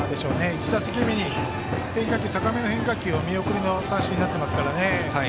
１打席目の高めの変化球を見送りの三振になってますからね。